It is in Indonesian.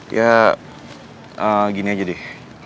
ya gini aja deh